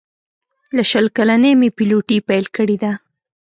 له شل کلنۍ مې پیلوټي پیل کړې ده.